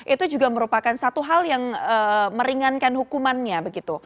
itu juga merupakan satu hal yang meringankan hukumannya begitu